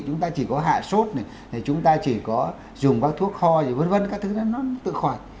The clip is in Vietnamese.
chúng ta chỉ có hạ sốt này chúng ta chỉ có dùng các thuốc kho vân vân các thứ đó nó tự khỏi